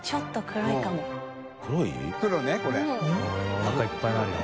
おなかいっぱいになるよ。